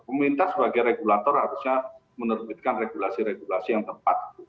pemerintah sebagai regulator harusnya menerbitkan regulasi regulasi yang tepat